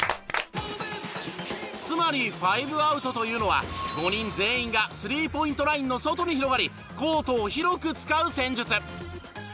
つまりファイブアウトというのは５人全員がスリーポイントラインの外に広がりコートを広く使う戦術。